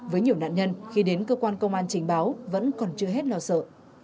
với nhiều nạn nhân khi đến cơ quan công an trình báo vẫn còn chưa hết lo sợ